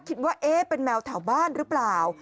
คิดว่าเอ๊ะเป็นแมวแถวบ้านหรือเปล่า